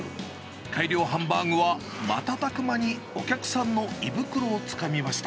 改良ハンバーグは、瞬く間にお客さんの胃袋をつかみました。